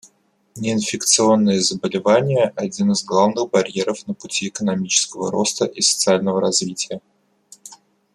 Неинфекционные заболевания — один из главных барьеров на пути экономического роста и социального развития.